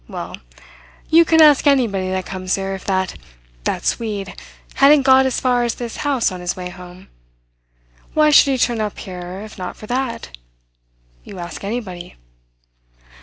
Well! You can ask anybody that comes here if that that Swede hadn't got as far as this house on his way home. Why should he turn up here if not for that? You ask anybody."